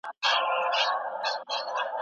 دا کوڅه په موږ ودانه دلته نور ګامونه هم سته